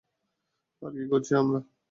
আর কী করছি আমরা?